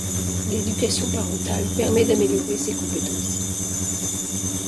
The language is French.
L'éducation parentale permet d'améliorer ces compétences.